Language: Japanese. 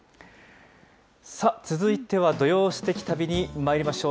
さあ続いては、土曜すてき旅にまいりましょう。